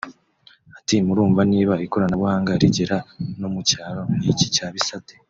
Ati “Murumva niba ikoranabuhanga rigera no mu cyaro nk’iki cya Bisate